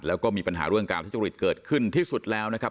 แล้วก็มีปัญหาเรื่องการทุจริตเกิดขึ้นที่สุดแล้วนะครับ